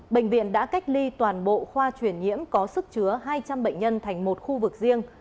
bệnh viện đã cách ly toàn bộ khoa chuyển nhiễm có sức chứa hai trăm linh bệnh nhân thành một khu vực riêng